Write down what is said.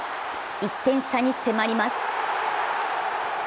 １点差に迫ります。